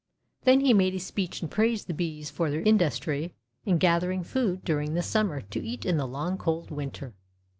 Then he made a speech and praised the bees for their industry in gathering food during the sum mer to eat in the long cold winter.